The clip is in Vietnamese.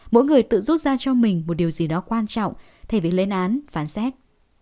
mỗi người tự rút ra cho mình một điều gì đó quan trọng thay vì lên án phán xét